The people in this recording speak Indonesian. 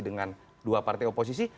dengan dua partai oposisi